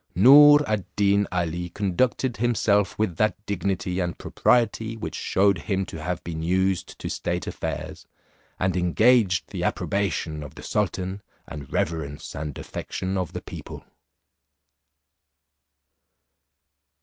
Noor ad Deen Ali conducted himself with that dignity and propriety which shewed him to have been used to state affairs, and engaged the approbation of the sultan, and reverence and affection of the people.